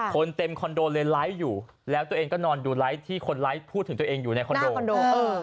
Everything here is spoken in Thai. คนเต็มคอนโดเลยไลฟ์อยู่แล้วตัวเองก็นอนดูไลค์ที่คนร้ายพูดถึงตัวเองอยู่ในคอนโดคอนโด